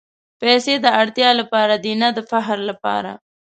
پېسې د اړتیا لپاره دي، نه د فخر لپاره.